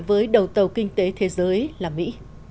với đầu tàu kinh tế thế giới là mỹ